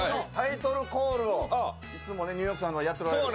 タイトルコールを、いつもニューヨークさんがやってるやつ。